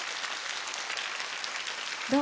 どう？